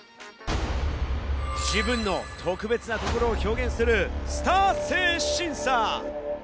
自分の特別な心を表現するスター性審査。